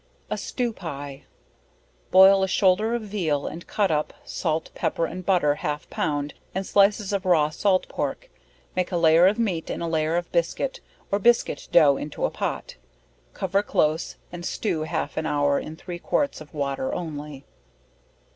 A Stew Pie. Boil a shoulder of Veal, and cut up, salt, pepper, and butter half pound, and slices of raw salt pork, make a layer of meat, and a layer of biscuit, or biscuit dough into a pot, cover close and stew half an hour in three quarts of water only.